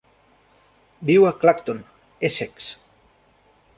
Viu a Clacton, Essex.